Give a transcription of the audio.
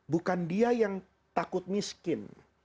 bukan dia yang takut miskin